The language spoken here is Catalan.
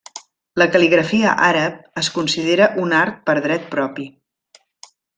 La cal·ligrafia àrab es considera un art per dret propi.